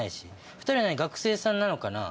２人は学生さんなのかな？